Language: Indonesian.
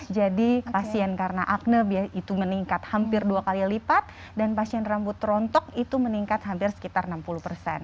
jadi pasien karena akne itu meningkat hampir dua kali lipat dan pasien rambut rontok itu meningkat hampir sekitar enam puluh persen